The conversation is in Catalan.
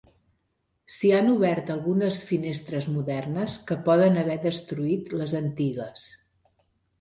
S'hi han obert algunes finestres modernes que poden haver destruït les antigues.